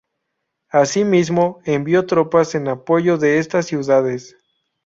Asimismo, envió tropas en apoyo de estas ciudades.